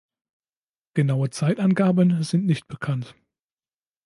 Genaue Zeitangaben sind nicht bekannt.